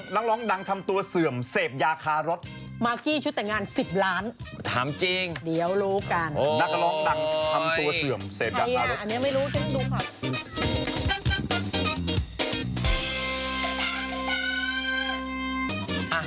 นักร้องดังทำตัวเสื่อมเศษกันครับอันนี้ไม่รู้ก็ใช่ถูกครับ